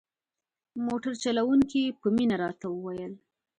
موټر چلوونکي په مینه راته وویل.